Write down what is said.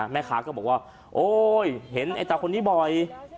แม่ค้าก็บอกว่าโอ๊ยเห็นไอ้ตาคนนี้บ่อย